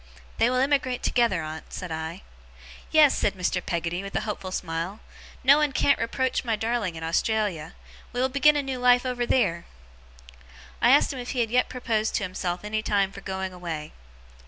'They will emigrate together, aunt,' said I. 'Yes!' said Mr. Peggotty, with a hopeful smile. 'No one can't reproach my darling in Australia. We will begin a new life over theer!' I asked him if he yet proposed to himself any time for going away.